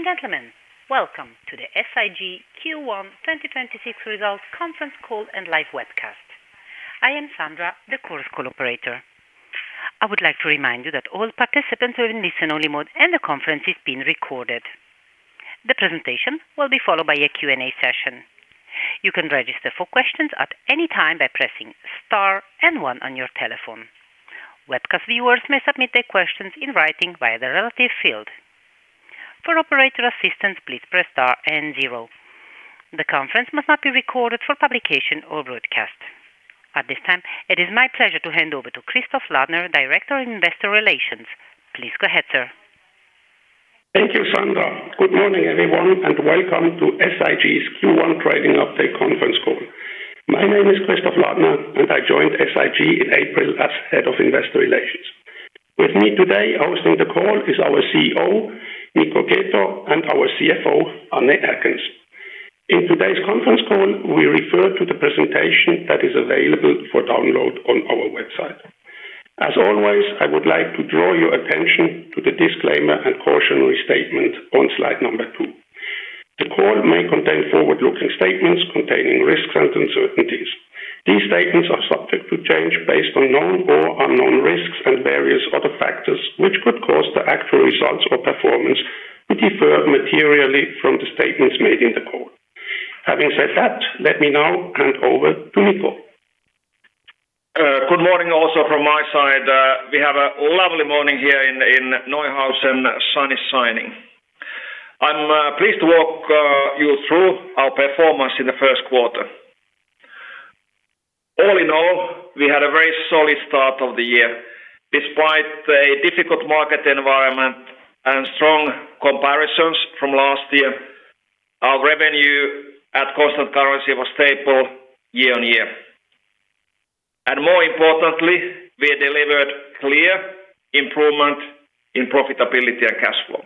Ladies and gentlemen, welcome to the SIG Q1 2026 Results Conference Call and live webcast. I am Sandra, the Chorus Call operator. I would like to remind you that all participants are in listen-only mode and the conference is being recorded. The presentation will be followed by a Q&A session. You can register for questions at any time by pressing star and one on your telephone. Webcast viewers may submit their questions in writing via the relevant field. For operator assistance, please press star and zero. The conference must not be recorded for publication or broadcast. At this time, it is my pleasure to hand over to Christoph Ladner, Director of Investor Relations. Please go ahead, sir. Thank you, Sandra. Good morning, everyone, and welcome to SIG's Q1 trading update conference call. My name is Christoph Ladner, and I joined SIG in April as Head of Investor Relations. With me today, hosting the call is our CEO, Mikko Keto, and our CFO, Ann Erkens. In today's conference call, we refer to the presentation that is available for download on our website. As always, I would like to draw your attention to the disclaimer and cautionary statement on slide number two. The call may contain forward-looking statements containing risks and uncertainties. These statements are subject to change based on known or unknown risks and various other factors which could cause the actual results or performance to differ materially from the statements made in the call. Having said that, let me now hand over to Mikko. Good morning also from my side. We have a lovely morning here in Neuhausen. Sun is shining. I'm pleased to walk you through our performance in the first quarter. All in all, we had a very solid start of the year. Despite a difficult market environment and strong comparisons from last year, our revenue at constant currency was stable year-on-year. More importantly, we delivered clear improvement in profitability and cash flow.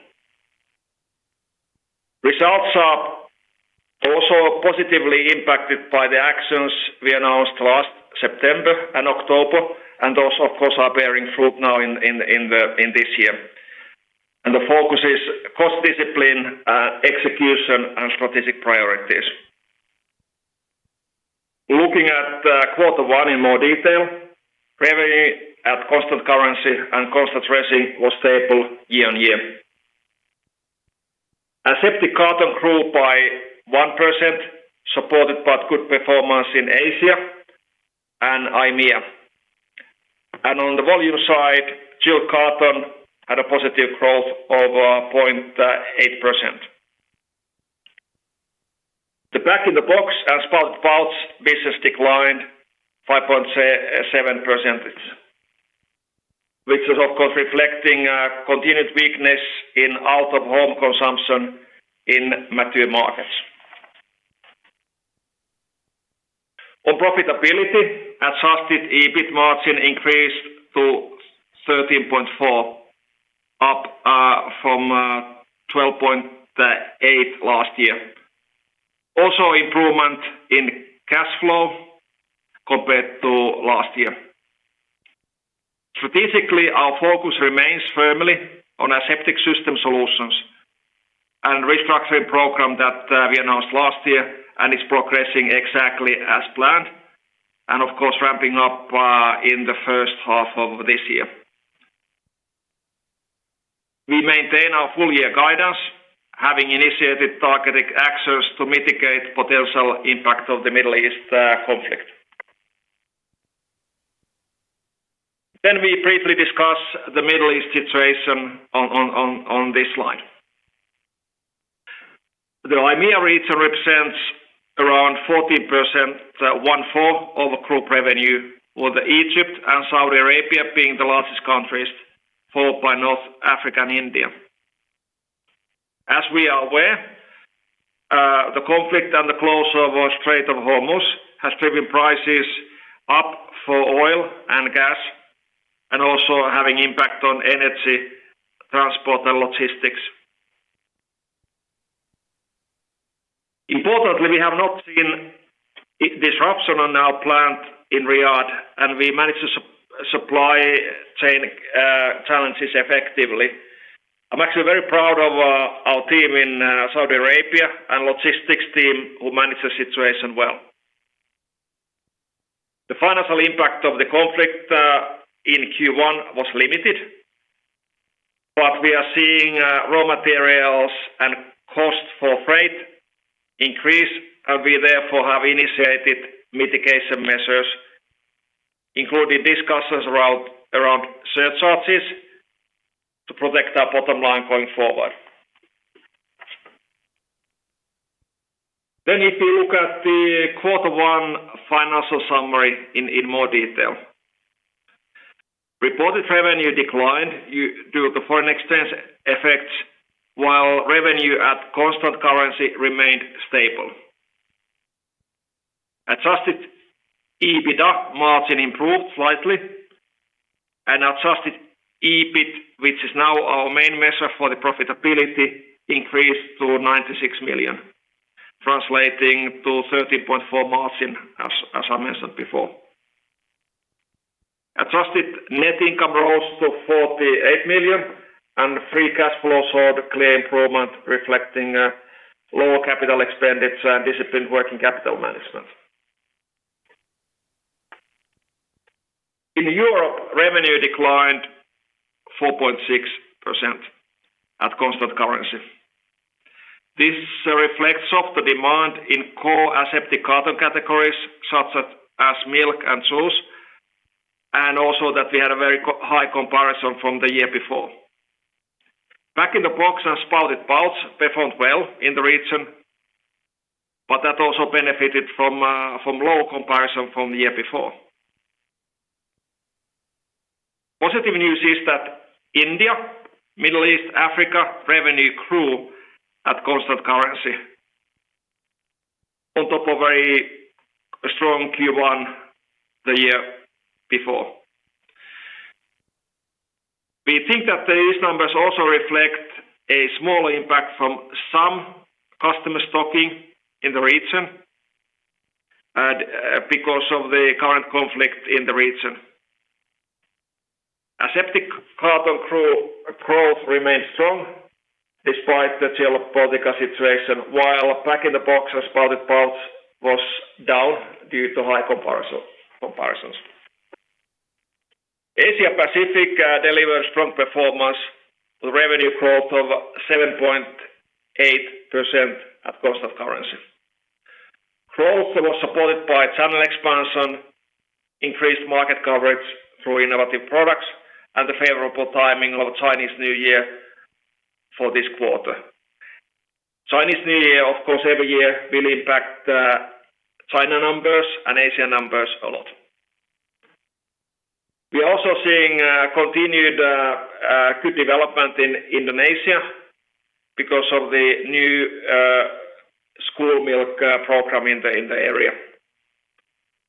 Results are also positively impacted by the actions we announced last September and October, and those, of course, are bearing fruit now in this year. The focus is cost discipline, execution and strategic priorities. Looking at quarter one in more detail, revenue at constant currency and constant resin was stable year-on-year. Aseptic carton grew by 1%, supported by good performance in Asia and EMEA. On the volume side, chilled carton had a positive growth of 0.8%. The bag-in-box and spouted pouch business declined 5.7%, which is, of course, reflecting continued weakness in out-of-home consumption in mature markets. On profitability, Adjusted EBIT margin increased to 13.4%, up from 12.8% last year. Also improvement in cash flow compared to last year. Strategically, our focus remains firmly on aseptic system solutions and restructuring program that we announced last year and is progressing exactly as planned and, of course, ramping up in the first half of this year. We maintain our full year guidance, having initiated targeted actions to mitigate potential impact of the Middle East conflict. We briefly discuss the Middle East situation on this slide. The EMEA region represents around 14%, one-fourth of the group revenue, with Egypt and Saudi Arabia being the largest countries, followed by North Africa and India. As we are aware, the conflict and the closure of Strait of Hormuz has driven prices up for oil and gas and also having impact on energy, transport, and logistics. Importantly, we have not seen disruption on our plant in Riyadh, and we managed the supply chain challenges effectively. I'm actually very proud of our team in Saudi Arabia and logistics team who managed the situation well. The financial impact of the conflict in Q1 was limited, but we are seeing raw materials and costs for freight increase, and we therefore have initiated mitigation measures, including discussions around surcharges to protect our bottom line going forward. If you look at the quarter one financial summary in more detail. Reported revenue declined due to foreign exchange effects, while revenue at constant currency remained stable. Adjusted EBITDA margin improved slightly, and adjusted EBIT, which is now our main measure for the profitability, increased to 96 million, translating to 13.4% margin as I mentioned before. Adjusted net income rose to 48 million and free cash flow saw the clear improvement reflecting lower capital expenditures and disciplined working capital management. In Europe, revenue declined 4.6% at constant currency. This reflects a fall-off in demand in core aseptic carton categories such as milk and sauce, and also that we had a very high comparison from the year before. Bag-in-box and spouted pouch performed well in the region, but that also benefited from low comparison from the year before. Positive news is that India, Middle East, Africa revenue grew at constant currency on top of very strong Q1 the year before. We think that these numbers also reflect a small impact from some customer stocking in the region and because of the current conflict in the region. Aseptic carton grew, growth remained strong despite the geopolitical situation, while bag-in-box and spouted pouch was down due to high comparisons. Asia Pacific delivered strong performance with revenue growth of 7.8% at constant currency. Growth was supported by channel expansion, increased market coverage through innovative products, and the favorable timing of Chinese New Year for this quarter. Chinese New Year, of course, every year will impact China numbers and Asia numbers a lot. We are also seeing continued good development in Indonesia because of the new school milk program in the area.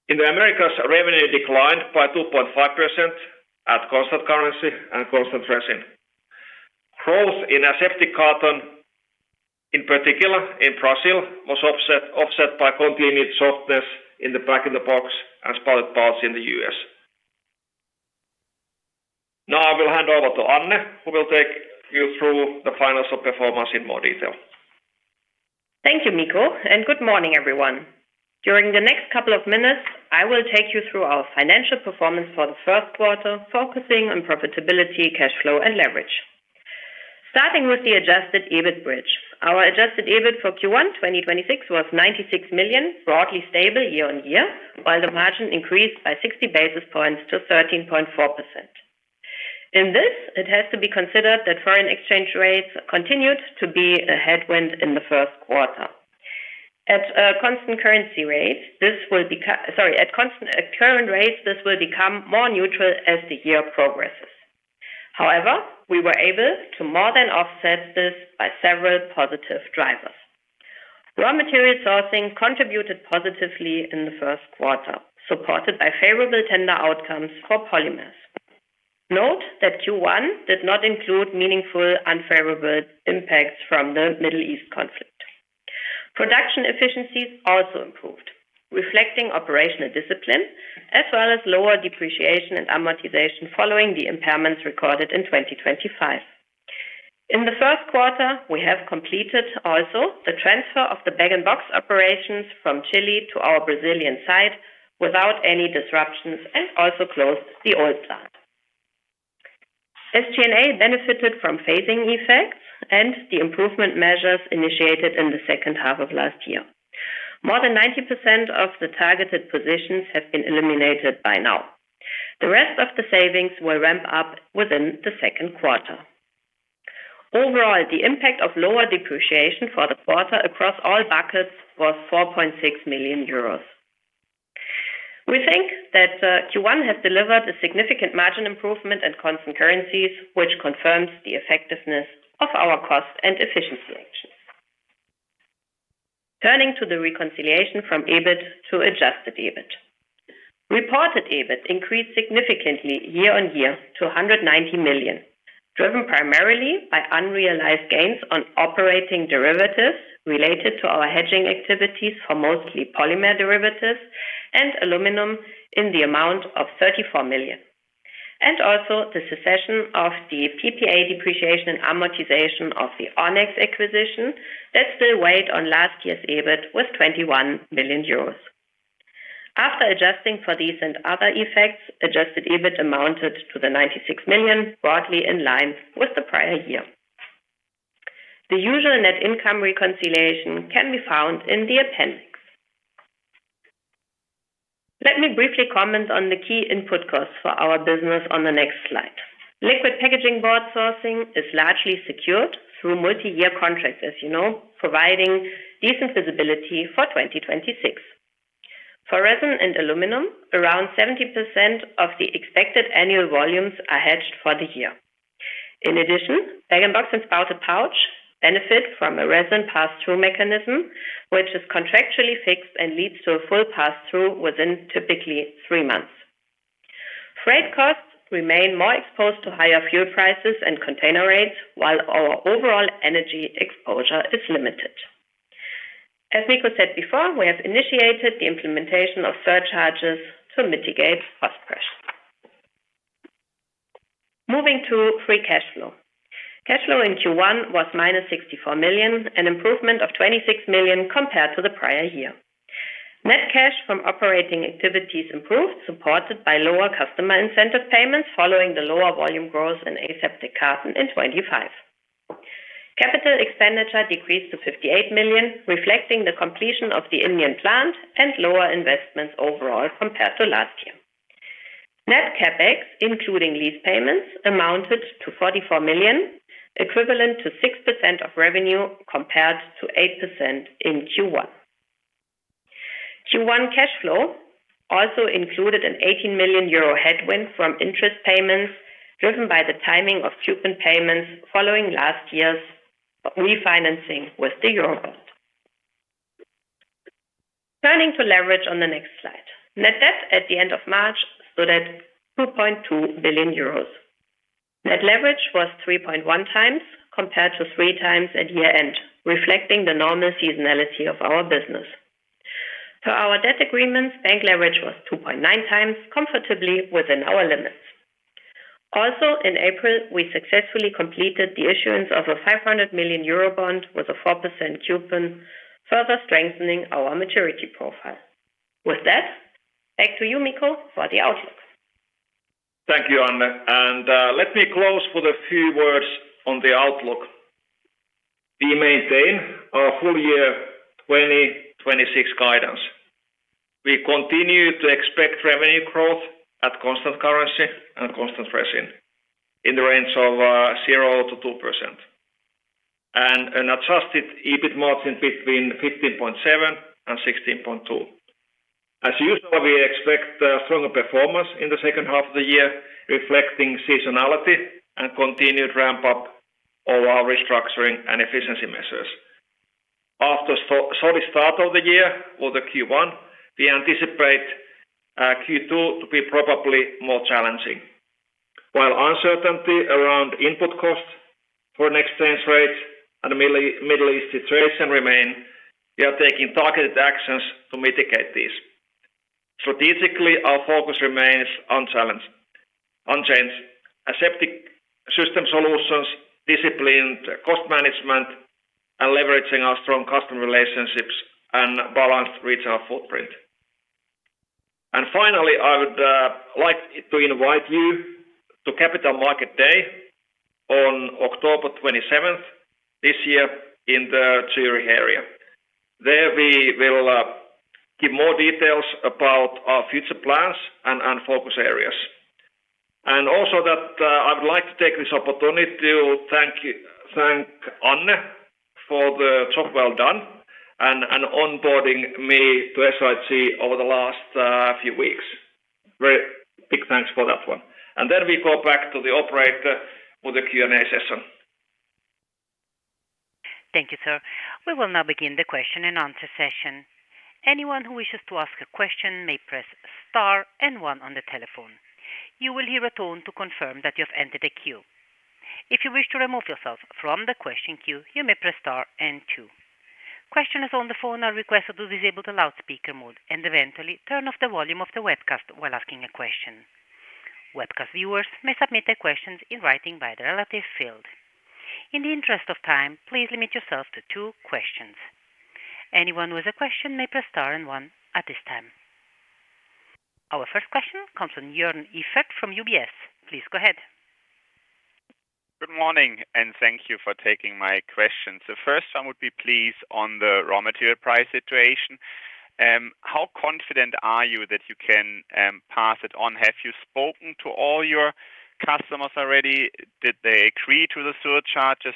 In the Americas, revenue declined by 2.5% at constant currency and constant resin. Growth in aseptic carton, in particular in Brazil, was offset by continued softness in the bag-in-box and spouted pouch in the U.S. Now I will hand over to Ann, who will take you through the financial performance in more detail. Thank you, Mikko, and good morning, everyone. During the next couple of minutes, I will take you through our financial performance for the first quarter, focusing on profitability, cash flow and leverage. Starting with the adjusted EBIT bridge. Our adjusted EBIT for Q1 2026 was 96 million, broadly stable year-on-year, while the margin increased by 60 basis points to 13.4%. In this, it has to be considered that foreign exchange rates continued to be a headwind in the first quarter. At constant currency rates, this will become more neutral as the year progresses. However, we were able to more than offset this by several positive drivers. Raw material sourcing contributed positively in the first quarter, supported by favorable tender outcomes for polymers. Note that Q1 did not include meaningful unfavorable impacts from the Middle East conflict. Production efficiencies also improved, reflecting operational discipline as well as lower depreciation and amortization following the impairments recorded in 2025. In the first quarter, we have completed also the transfer of the bag and box operations from Chile to our Brazilian site without any disruptions and also closed the old plant. SG&A benefited from phasing effects and the improvement measures initiated in the second half of last year. More than 90% of the targeted positions have been eliminated by now. The rest of the savings will ramp up within the second quarter. Overall, the impact of lower depreciation for the quarter across all buckets was 4.6 million euros. We think that Q1 has delivered a significant margin improvement at constant currencies, which confirms the effectiveness of our cost and efficiency actions. Turning to the reconciliation from EBIT to Adjusted EBIT. Reported EBIT increased significantly year-on-year to 190 million, driven primarily by unrealized gains on operating derivatives related to our hedging activities for mostly polymer derivatives and aluminum in the amount of 34 million. Also the cessation of the PPA depreciation and amortization of the Onex acquisition that still weighed on last year's EBIT with 21 million euros. After adjusting for these and other effects, Adjusted EBIT amounted to 96 million, broadly in line with the prior year. The usual net income reconciliation can be found in the appendix. Let me briefly comment on the key input costs for our business on the next slide. Liquid packaging board sourcing is largely secured through multi-year contracts, as you know, providing decent visibility for 2026. For resin and aluminum, around 70% of the expected annual volumes are hedged for the year. In addition, bag-in-box and spouted pouch benefit from a resin pass-through mechanism, which is contractually fixed and leads to a full pass-through within typically three months. Freight costs remain more exposed to higher fuel prices and container rates while our overall energy exposure is limited. As Mikko said before, we have initiated the implementation of surcharges to mitigate cost pressure. Moving to free cash flow. Cash flow in Q1 was -64 million, an improvement of 26 million compared to the prior year. Net cash from operating activities improved, supported by lower customer incentive payments following the lower volume growth in aseptic carton in 2025. Capital expenditure decreased to 58 million, reflecting the completion of the Indian plant and lower investments overall compared to last year. Net CapEx, including lease payments, amounted to 44 million, equivalent to 6% of revenue, compared to 8% in Q1. Q1 cash flow also included an 18 million euro headwind from interest payments, driven by the timing of coupon payments following last year's refinancing with the Eurobond. Turning to leverage on the next slide. Net debt at the end of March stood at 2.2 billion euros. Net leverage was 3.1x compared to 3x at year-end, reflecting the normal seasonality of our business. Per our debt agreements, bank leverage was 2.9x comfortably within our limits. Also in April, we successfully completed the issuance of a 500 million euro bond with a 4% coupon, further strengthening our maturity profile. With that, back to you, Mikko, for the outlook. Thank you, Ann, and let me close with a few words on the outlook. We maintain our full year 2026 guidance. We continue to expect revenue growth at constant currency and constant pricing in the range of 0%-2%. An adjusted EBIT margin between 15.7% and 16.2%. As usual, we expect a stronger performance in the second half of the year, reflecting seasonality and continued ramp-up of our restructuring and efficiency measures. After solid start of the year in the Q1, we anticipate Q2 to be probably more challenging. While uncertainty around input costs, foreign exchange rates, and the Middle East situation remain, we are taking targeted actions to mitigate these. Strategically, our focus remains unchanged on aseptic system solutions, disciplined cost management, and leveraging our strong customer relationships and balanced retail footprint. Finally, I would like to invite you to Capital Markets Day on October 27th this year in the Zurich area. There we will give more details about our future plans and focus areas. Also, I would like to take this opportunity to thank Ann for the job well done and onboarding me to SIG over the last few weeks. Very big thanks for that one. Then we go back to the operator for the Q&A session. Thank you, sir. We will now begin the question and answer session. Anyone who wishes to ask a question may press star and one on the telephone. You will hear a tone to confirm that you have entered a queue. If you wish to remove yourself from the question queue, you may press star and two. Questioners on the phone are requested to disable the loudspeaker mode and eventually turn off the volume of the webcast while asking a question. Webcast viewers may submit their questions in writing via the relative field. In the interest of time, please limit yourself to two questions. Anyone with a question may press star and one at this time. Our first question comes from Jörn Iffert from UBS. Please go ahead. Good morning, and thank you for taking my question. First, I would be pleased on the raw material price situation. How confident are you that you can pass it on? Have you spoken to all your customers already? Did they agree to the surcharges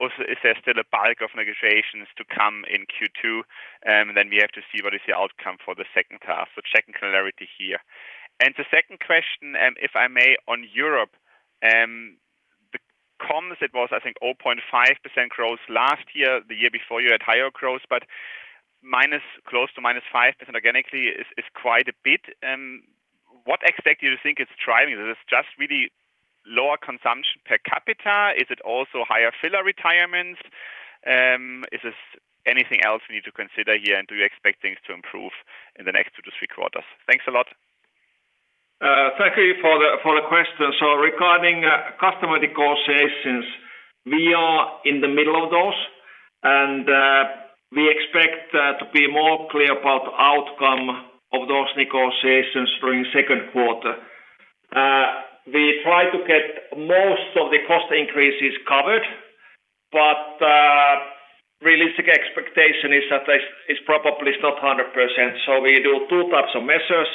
or is there still a bulk of negotiations to come in Q2? Then we have to see what is the outcome for the second half. Checking clarity here. The second question, if I may, on Europe, the comms, it was, I think, 0.5% growth last year. The year before, you had higher growth, but close to -5% organically is quite a bit. What do you think is driving this? Is it just really lower consumption per capita? Is it also higher filler retirements? Is this anything else we need to consider here? Do you expect things to improve in the next two-three quarters? Thanks a lot. Thank you for the question. Regarding customer negotiations, we are in the middle of those, and we expect to be more clear about the outcome of those negotiations during second quarter. We try to get most of the cost increases covered, but realistic expectation is that this is probably not 100%. We do two types of measures,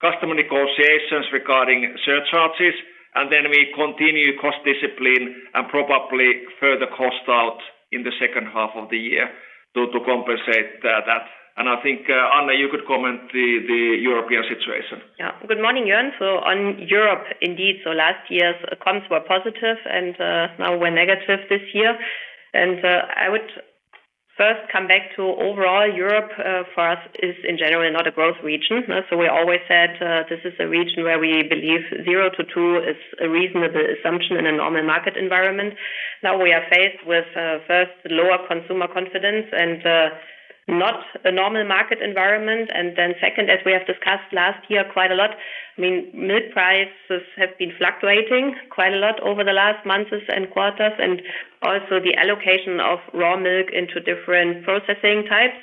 customer negotiations regarding surcharges, and then we continue cost discipline and probably further cost out in the second half of the year to compensate that. I think Ann Erkens, you could comment on the European situation. Yeah. Good morning, Jörn. On Europe, indeed, so last year's consumption were positive and now we're negative this year. I would first come back to overall Europe, for us is in general not a growth region. We always said this is a region where we believe 0%-2% is a reasonable assumption in a normal market environment. Now we are faced with first, lower consumer confidence and not a normal market environment. Second, as we have discussed last year quite a lot, I mean, milk prices have been fluctuating quite a lot over the last months and quarters, and also the allocation of raw milk into different processing types.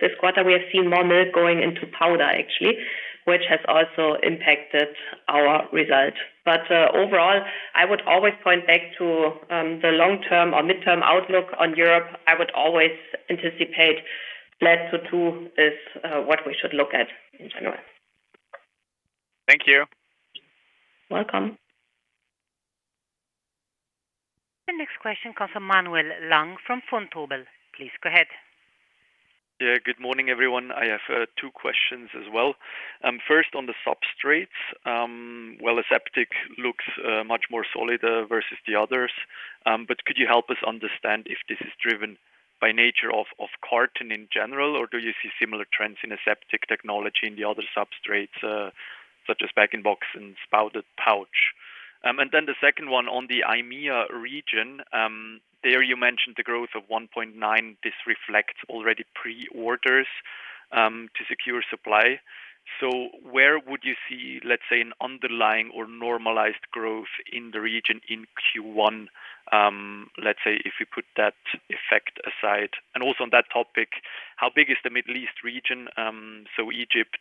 This quarter, we have seen more milk going into powder actually, which has also impacted our result. Overall, I would always point back to the long-term or midterm outlook on Europe. I would always anticipate flat to 2% is what we should look at in general. Thank you. Welcome. The next question comes from Manuel Lang from Vontobel. Please go ahead. Yeah. Good morning, everyone. I have two questions as well. First on the substrates, well, aseptic looks much more solid versus the others. But could you help us understand if this is driven by nature of carton in general, or do you see similar trends in aseptic technology in the other substrates, such as bag-in-box and spouted pouch? And then the second one on the EMEA region, there you mentioned the growth of 1.9%. This reflects already preorders to secure supply. Where would you see, let's say, an underlying or normalized growth in the region in Q1, let's say, if you put that effect aside? Also on that topic, how big is the Middle East region, so Egypt,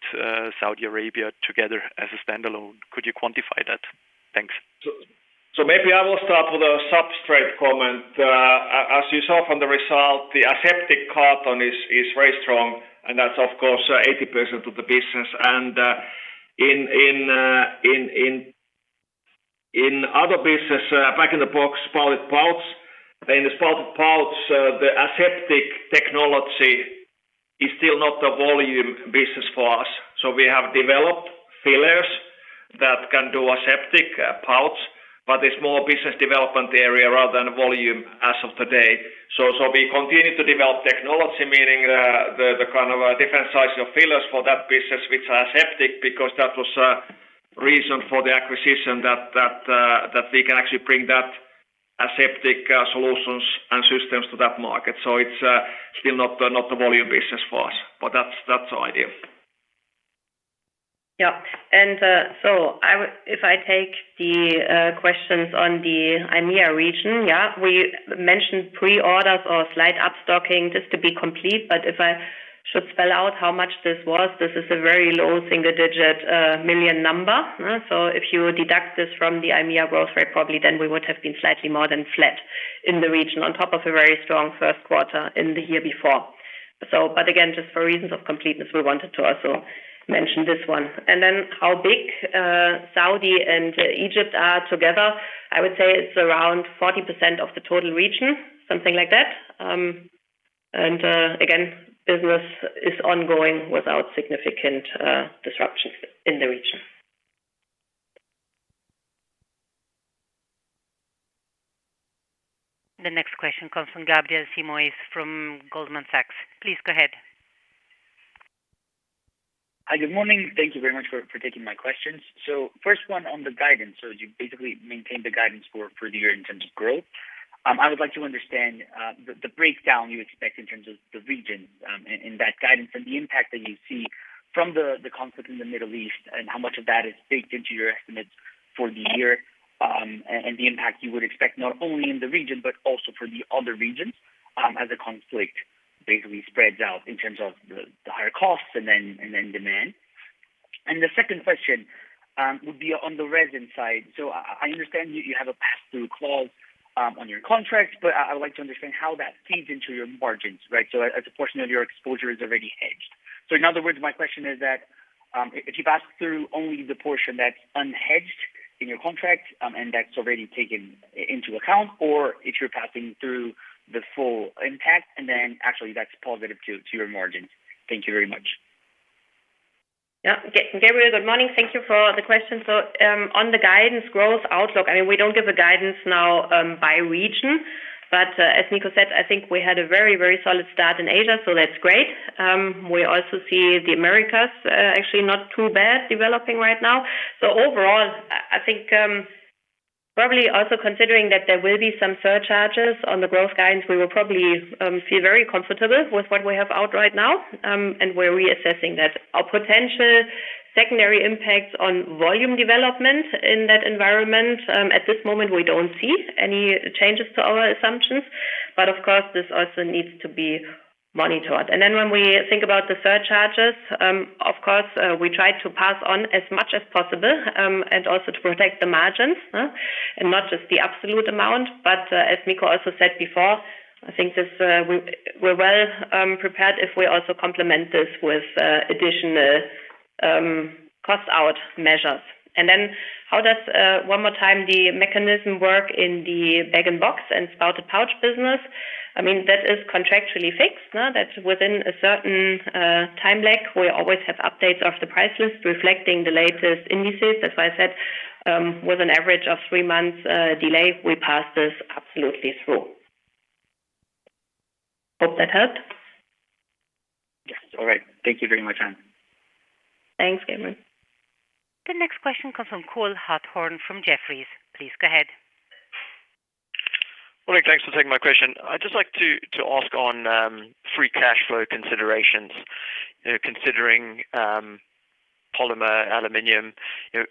Saudi Arabia together as a stand-alone, could you quantify that? Thanks. Maybe I will start with a substrate comment. As you saw from the result, the aseptic carton is very strong, and that's of course 80% of the business. In other business, bag-in-box, spouted pouch. In the spouted pouch, the aseptic technology is still not a volume business for us. We have developed fillers that can do aseptic pouch, but it's more business development area rather than volume as of today. We continue to develop technology, meaning the kind of different size of fillers for that business which are aseptic, because that was a reason for the acquisition that we can actually bring that aseptic solutions and systems to that market. It's still not the volume business for us, but that's the idea. If I take the questions on the EMEA region, we mentioned preorders or slight upstocking just to be complete. But if I should spell out how much this was, this is a very low single-digit million number. If you deduct this from the EMEA growth rate, probably then we would have been slightly more than flat in the region on top of a very strong first quarter in the year before. Again, just for reasons of completeness, we wanted to also mention this one. How big Saudi and Egypt are together, I would say it's around 40% of the total region, something like that. Again, business is ongoing without significant disruptions in the region. The next question comes from Gabriel Simoes from Goldman Sachs. Please go ahead. Hi, good morning. Thank you very much for taking my questions. First one on the guidance. You basically maintained the guidance for the year in terms of growth. I would like to understand the breakdown you expect in terms of the regions in that guidance and the impact that you see from the conflict in the Middle East, and how much of that is baked into your estimates for the year, and the impact you would expect, not only in the region but also for the other regions, as the conflict basically spreads out in terms of the higher costs and then demand. The second question would be on the resin side. I understand you have a pass-through clause on your contracts, but I would like to understand how that feeds into your margins, right? As a portion of your exposure is already hedged. In other words, my question is that, if you pass through only the portion that's unhedged in your contract, and that's already taken into account, or if you're passing through the full impact and then actually that's positive to your margins. Thank you very much. Gabriel, good morning. Thank you for the question. On the guidance growth outlook, we don't give a guidance now by region, but as Mikko said, I think we had a very, very solid start in Asia, so that's great. We also see the Americas actually not too bad developing right now. Overall, I think probably also considering that there will be some surcharges on the growth guidance, we will probably feel very comfortable with what we have out right now. We're reassessing our potential secondary impacts on volume development in that environment. At this moment, we don't see any changes to our assumptions, but of course, this also needs to be monitored. When we think about the surcharges, of course, we try to pass on as much as possible, and also to protect the margins, and not just the absolute amount. As Mikko also said before, I think this, we're well prepared if we also complement this with additional cost out measures. How does, one more time, the mechanism work in the bag-in-box and spouted pouch business? I mean, that is contractually fixed, no? That within a certain time lag, we always have updates of the prices reflecting the latest indices. That's why I said, with an average of three months delay, we pass this absolutely through. Hope that helped. Yes. All right. Thank you very much. Thanks, Gabriel. The next question comes from Cole Hathorn from Jefferies. Please go ahead. Morning. Thanks for taking my question. I'd just like to ask on free cash flow considerations. You know, considering polymer, aluminum, you know,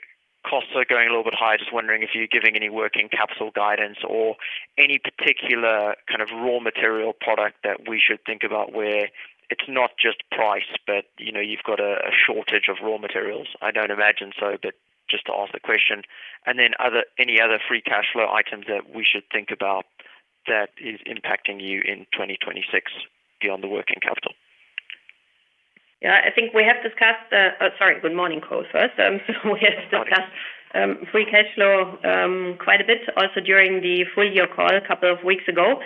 costs are going a little bit high. Just wondering if you're giving any working capital guidance or any particular kind of raw material product that we should think about where it's not just price, but, you know, you've got a shortage of raw materials. I don't imagine so, but just to ask the question. Then any other free cash flow items that we should think about that is impacting you in 2026 beyond the working capital. Yeah, I think we have discussed. Oh, sorry, good morning, Cole first. We have discussed. Morning. free cash flow, quite a bit also during the full year call a couple of weeks ago.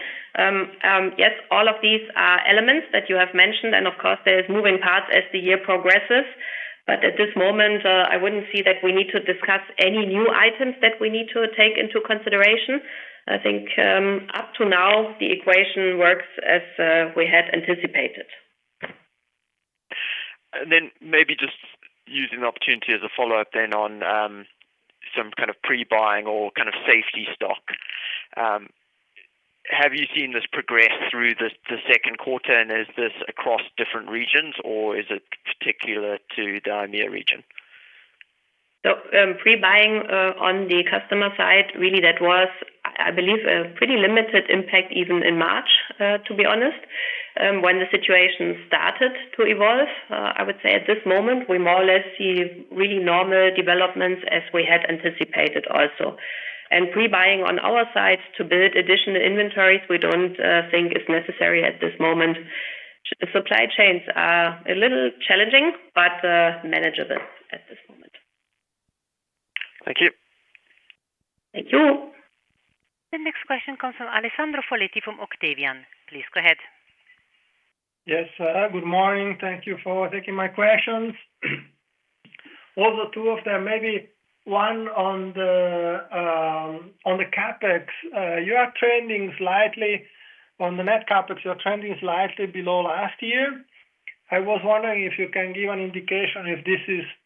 Yes, all of these are elements that you have mentioned, and of course, there's moving parts as the year progresses. At this moment, I wouldn't see that we need to discuss any new items that we need to take into consideration. I think, up to now, the equation works as we had anticipated. Maybe just using the opportunity as a follow-up, then, on some kind of pre-buying or kind of safety stock. Have you seen this progress through the second quarter, and is this across different regions or is it particular to the EMEA region? Pre-buying on the customer side, really that was, I believe, a pretty limited impact even in March, to be honest, when the situation started to evolve. I would say at this moment, we more or less see really normal developments as we had anticipated also. Pre-buying on our side to build additional inventories, we don't think is necessary at this moment. Supply chains are a little challenging, but manageable at this moment. Thank you. Thank you. The next question comes from Alessandro Foletti from Octavian. Please go ahead. Yes. Good morning. Thank you for taking my questions. Also two of them, maybe one on the CapEx. You are trending slightly on the net CapEx below last year. I was wondering if you can give an indication if this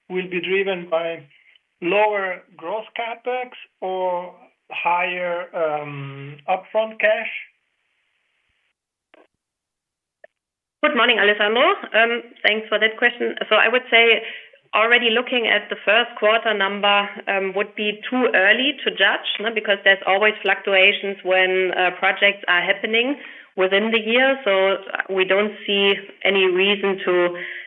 will be driven by lower gross CapEx or higher upfront cash. Good morning, Alessandro. Thanks for that question. I would say already looking at the first quarter number would be too early to judge, because there's always fluctuations when projects are happening within the year. We don't see any reason to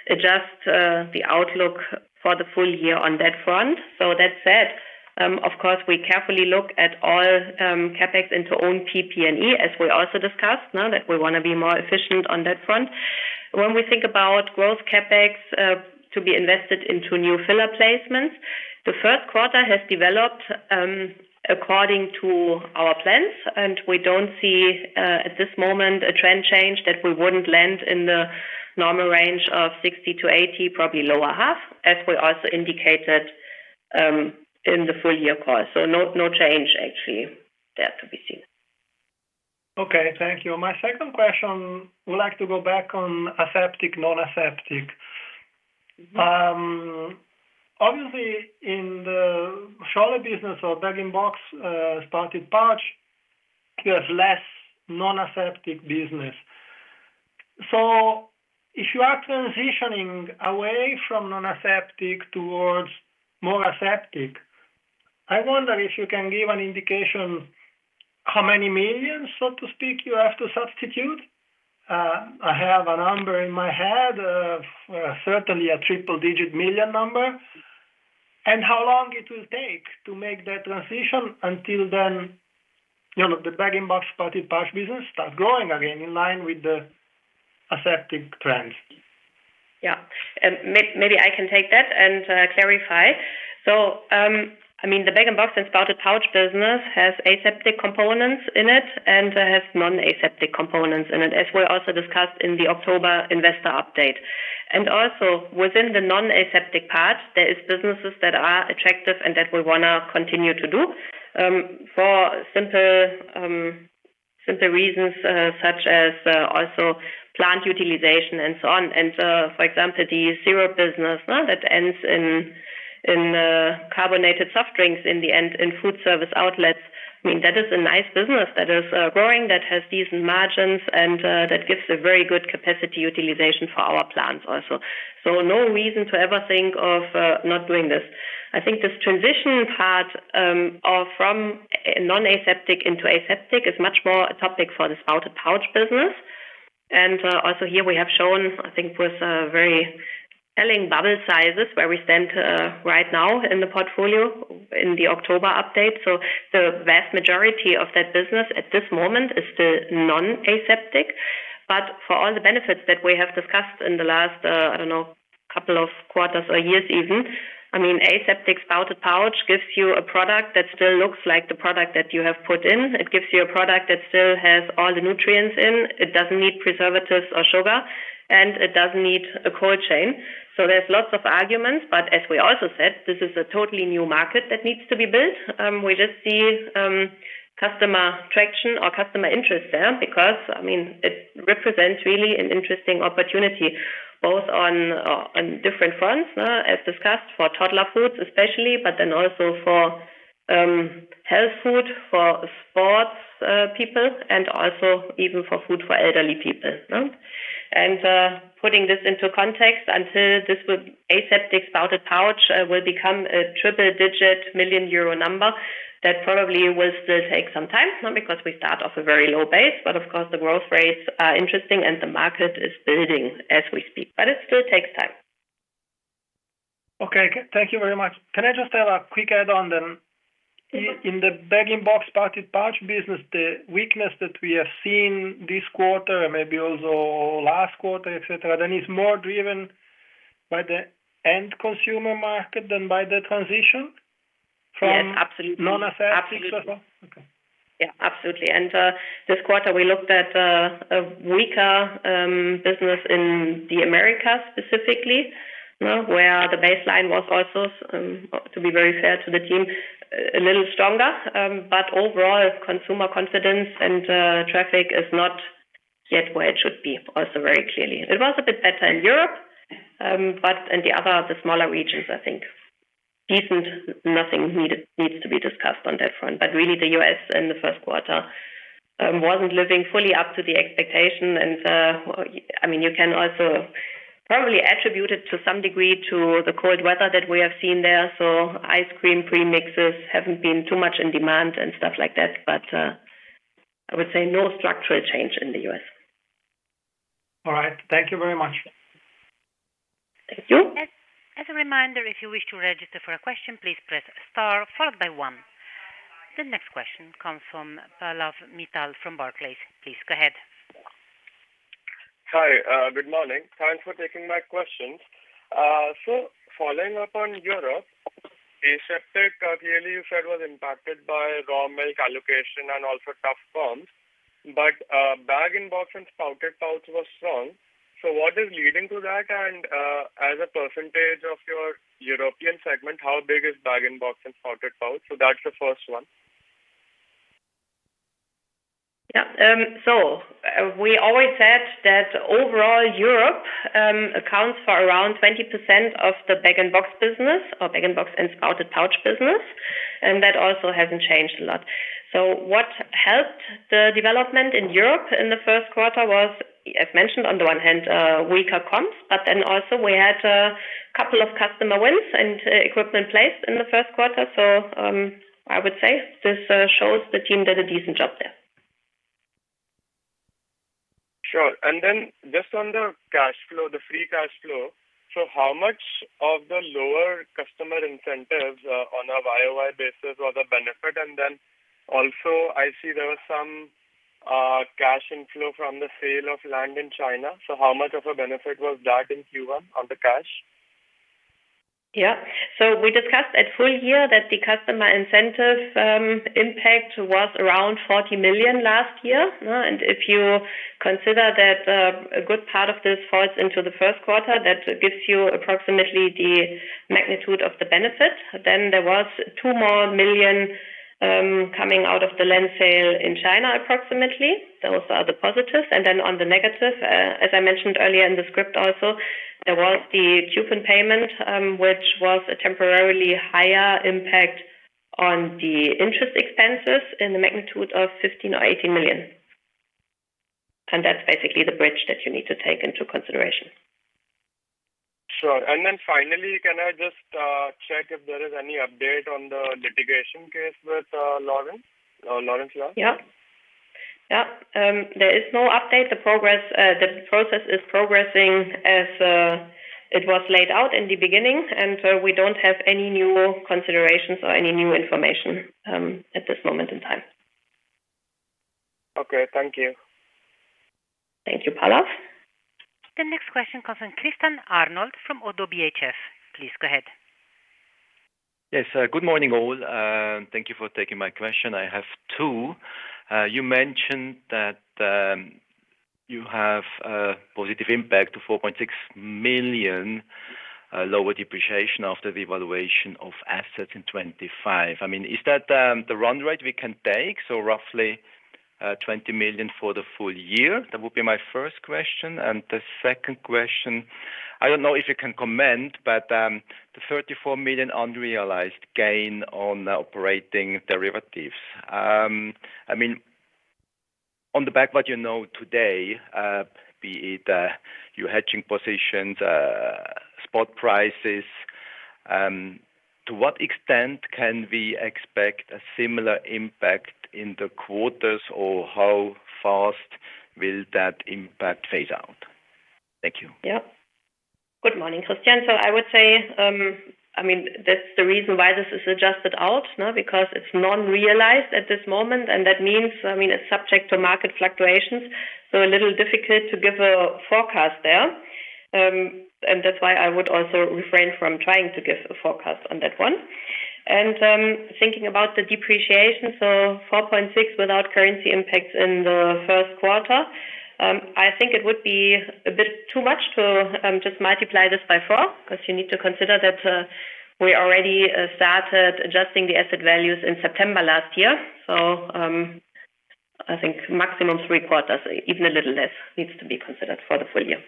adjust the outlook for the full year on that front. That said, of course, we carefully look at all CapEx into own PP&E, as we also discussed, now that we wanna be more efficient on that front. When we think about growth CapEx to be invested into new filler placements, the first quarter has developed according to our plans, and we don't see at this moment a trend change that we wouldn't land in the normal range of 60%-80%, probably lower half, as we also indicated in the full year call. No, no change actually there to be seen. Okay. Thank you. My second question, I would like to go back on aseptic, non-aseptic. Obviously in the Scholle business or bag-in-box, spouted pouch, there's less non-aseptic business. So if you are transitioning away from non-aseptic towards more aseptic, I wonder if you can give an indication how many millions, so to speak, you have to substitute. I have a number in my head of certainly a triple-digit million number. How long it will take to make that transition until then, you know, the bag-in-box spouted pouch business starts growing again in line with the aseptic trends. Yeah. Maybe I can take that and clarify. I mean, the bag-in-box and spouted pouch business has aseptic components in it, and it has non-aseptic components in it, as we also discussed in the October investor update. Also within the non-aseptic part, there is businesses that are attractive and that we wanna continue to do, for simple reasons, such as also plant utilization and so on. For example, the syrup business that ends in carbonated soft drinks in the end, in food service outlets. I mean, that is a nice business that is growing, that has decent margins, and that gives a very good capacity utilization for our plants also. No reason to ever think of not doing this. I think this transition part, from non-aseptic into aseptic is much more a topic for the spouted pouch business. Also here we have shown, I think, with very telling bubble sizes where we stand right now in the portfolio in the October update. The vast majority of that business at this moment is still non-aseptic. For all the benefits that we have discussed in the last, I don't know, couple of quarters or years even, I mean, aseptic spouted pouch gives you a product that still looks like the product that you have put in. It gives you a product that still has all the nutrients in. It doesn't need preservatives or sugar, and it doesn't need a cold chain. There's lots of arguments, but as we also said, this is a totally new market that needs to be built. We just see customer traction or customer interest there because, I mean, it represents really an interesting opportunity both on different fronts, as discussed, for toddler foods especially, but then also for health food, for sports people, and also even for food for elderly people. Putting this into context, until this aseptic spouted pouch will become a triple-digit million euro number, that probably will still take some time. Not because we start off a very low base, but of course the growth rates are interesting and the market is building as we speak. It still takes time. Okay. Thank you very much. Can I just have a quick add on then? Mm-hmm. In the bag-in-box spouted pouch business, the weakness that we have seen this quarter, and maybe also last quarter, et cetera, then is more driven by the end consumer market than by the transition from. Yes, absolutely. Non-aseptic as well? Okay. Yeah, absolutely. This quarter, we looked at a weaker business in the Americas specifically, where the baseline was also, to be very fair to the team, a little stronger. Overall, consumer confidence and traffic is not yet where it should be also very clearly. It was a bit better in Europe, but in the other smaller regions, I think decent, nothing needs to be discussed on that front. Really, the U.S. in the first quarter wasn't living fully up to the expectation. I mean, you can also probably attribute it to some degree to the cold weather that we have seen there. Ice cream premixes haven't been too much in demand and stuff like that. I would say no structural change in the U.S. All right. Thank you very much. Thank you. As a reminder, if you wish to register for a question, please press star followed by one. The next question comes from Pallav Mittal from Barclays. Please go ahead. Hi. Good morning. Thanks for taking my questions. Following up on Europe, the aseptic, clearly, you said, was impacted by raw milk allocation and also tough comps, but bag-in-box and spouted pouch was strong. What is leading to that? And as a percentage of your European segment, how big is bag-in-box and spouted pouch? That's the first one. Yeah. We always said that overall Europe accounts for around 20% of the bag-in-box business or bag-in-box and spouted pouch business, and that also hasn't changed a lot. What helped the development in Europe in the first quarter was, as mentioned, on the one hand, weaker comps, but then also we had a couple of customer wins and equipment placed in the first quarter. I would say this shows the team did a decent job there. Sure. Just on the cash flow, the free cash flow. How much of the lower customer incentives on a YoY basis was a benefit? I see there was some cash inflow from the sale of land in China. How much of a benefit was that in Q1 on the cash? Yeah. We discussed at full year that the customer incentive impact was around 40 million last year. If you consider that a good part of this falls into the first quarter, that gives you approximately the magnitude of the benefit. There was two more million coming out of the land sale in China, approximately. Those are the positives. On the negative, as I mentioned earlier in the script also, there was the coupon payment, which was a temporarily higher impact on the interest expenses in the magnitude of 15 million or 18 million. That's basically the bridge that you need to take into consideration. Sure. Finally, can I just check if there is any update on the litigation case with Laurens Last? Yeah. Yeah. There is no update. The progress, the process is progressing as, it was laid out in the beginning, and we don't have any new considerations or any new information, at this moment in time. Okay. Thank you. Thank you, Pallav. The next question comes from Christian Arnold from Oddo BHF. Please go ahead. Yes. Good morning, all. Thank you for taking my question. I have two. You mentioned that you have a positive impact to 4.6 million, lower depreciation after the revaluation of assets in 2025. I mean, is that the run rate we can take, so roughly 20 million for the full year? That would be my first question. The second question, I don't know if you can comment, but the 34 million unrealized gain on operating derivatives. I mean, on the basis of what you know today, be it your hedging positions, spot prices, to what extent can we expect a similar impact in the quarters, or how fast will that impact phase out? Thank you. Yeah. Good morning, Christian. I would say, I mean, that's the reason why this is adjusted out, no? Because it's unrealized at this moment, and that means, I mean, it's subject to market fluctuations. A little difficult to give a forecast there. That's why I would also refrain from trying to give a forecast on that one. Thinking about the depreciation, 4.6% without currency impacts in the first quarter, I think it would be a bit too much to just multiply this by four, 'cause you need to consider that we already started adjusting the asset values in September last year. I think maximum three quarters, even a little less, needs to be considered for the full year.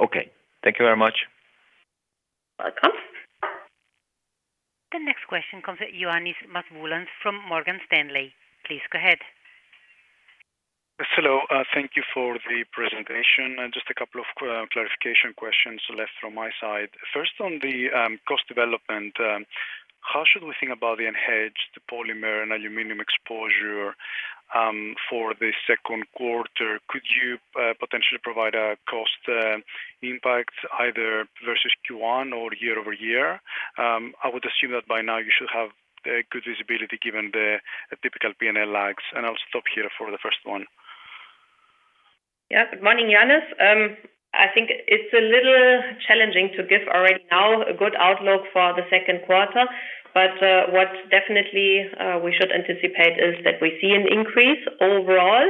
Okay. Thank you very much. comes from Ioannis Masvoulas from Morgan Stanley. Please go ahead. Hello. Thank you for the presentation, and just a couple of clarification questions left from my side. First, on the cost development, how should we think about the unhedged polymer and aluminum exposure for the second quarter? Could you potentially provide a cost impact either versus Q1 or year-over-year? I would assume that by now you should have good visibility given the typical P&L lags. I'll stop here for the first one. Yeah. Good morning, Ioannis. I think it's a little challenging to give right now a good outlook for the second quarter, but what definitely we should anticipate is that we see an increase overall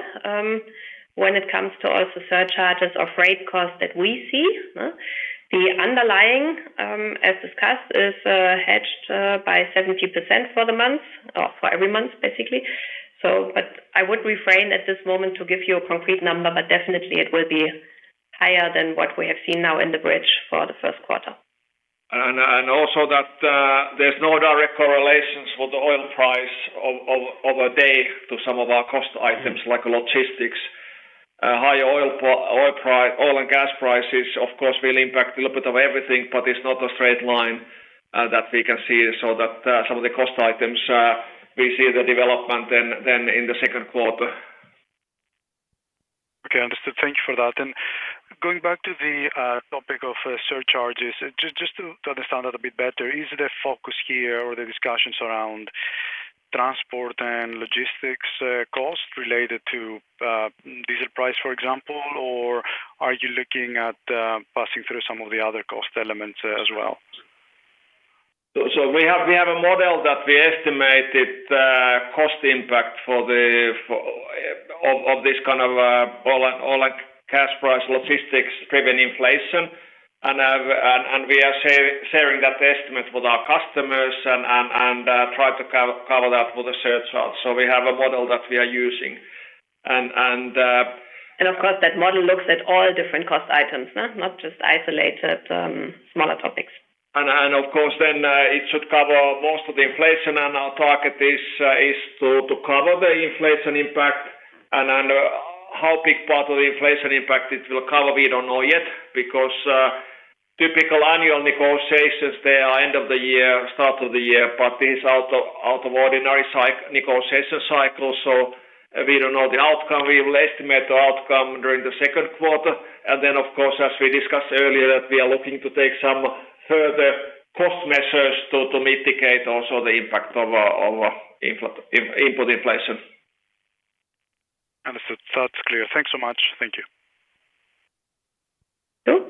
when it comes to also surcharges or freight costs that we see. The underlying, as discussed, is hedged by 70% for the month or for every month, basically. But I would refrain at this moment to give you a concrete number, but definitely it will be higher than what we have seen now in the bridge for the first quarter. Also, that there's no direct correlations with the oil price overnight to some of our cost items like logistics. Higher oil and gas prices, of course, will impact a little bit of everything, but it's not a straight line that we can see so that some of the cost items we see the development then in the second quarter. Okay, understood. Thank you for that. Going back to the topic of surcharges, just to understand it a bit better, is the focus here or the discussions around transport and logistics costs related to diesel price, for example? Are you looking at passing through some of the other cost elements as well? We have a model that we use to estimate the cost impact of this kind of oil and gas price logistics-driven inflation. We are sharing that estimate with our customers and try to cover that with a surcharge. We have a model that we are using. Of course, that model looks at all different cost items, not just isolated, smaller topics. Of course, then, it should cover most of the inflation. Our target is to cover the inflation impact. How big part of the inflation impact it will cover, we don't know yet, because typical annual negotiations, they are end of the year, start of the year, but this out of ordinary negotiation cycle, so we don't know the outcome. We will estimate the outcome during the second quarter. Of course, as we discussed earlier, that we are looking to take some further cost measures to mitigate also the impact of input inflation. Understood. That's clear. Thanks so much. Thank you. Good.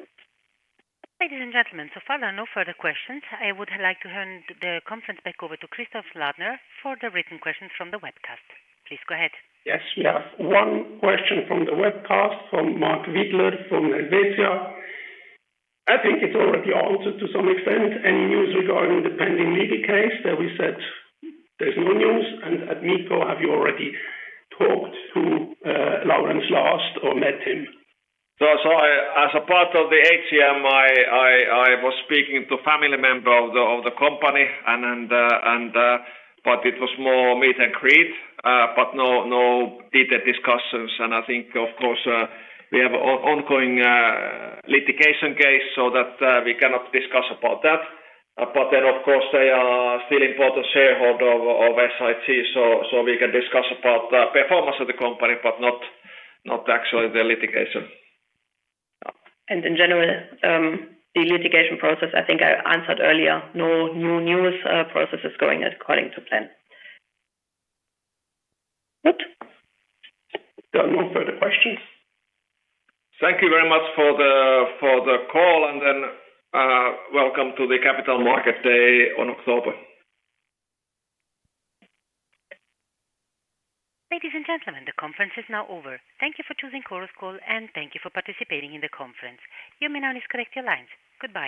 Ladies and gentlemen, so far no further questions. I would like to hand the conference back over to Christoph Ladner for the written questions from the webcast. Please go ahead. Yes. We have one question from the webcast from Marc Wydler from Helvetia. I think it's already answered to some extent. Any news regarding the pending legal case that we said there's no news? At Mikko, have you already talked to Lawrence Last or met him? As a part of the HCM, I was speaking to family member of the company but it was more meet and greet, but no detailed discussions. I think, of course, we have ongoing litigation case so that we cannot discuss about that. Of course, they are still important shareholder of SIG, so we can discuss about the performance of the company but not actually the litigation. In general, the litigation process, I think I answered earlier. No new news, process is going according to plan. Good. There are no further questions. Thank you very much for the call. Welcome to the Capital Markets Day on October. Ladies and gentlemen, the conference is now over. Thank you for choosing Chorus Call and thank you for participating in the conference. You may now disconnect your lines. Goodbye